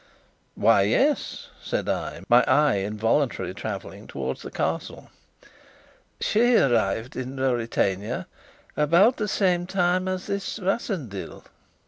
"Why, yes," said I, my eye involuntarily travelling towards the Castle. "She arrived in Ruritania about the same time as this Rassendyll."